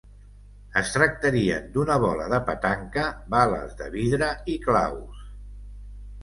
Es tractarien d’una bola de petanca, bales de vidre i claus.